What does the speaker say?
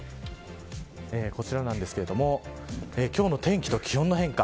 こちらなんですが今日の天気と気温の変化。